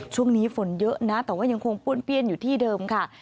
ช่วงนี้ฝนเยอะนะแต่ว่ายังคงป้วนเปี้ยนอยู่ที่เดิมค่ะ